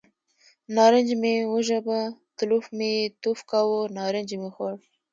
نارنج مې وژبه، تلوف مې یې توف کاوه، نارنج مې خوړ.